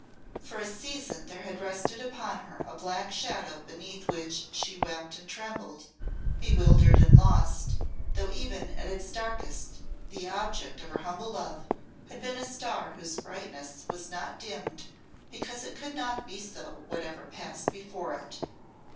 For a season there had rested upon her a black shadow beneath which she wept and trembled, bewildered and lost; though even at its darkest the object of her humble love had been a star whose brightness was not dimmed, because it could not be so whatsoever passed before it.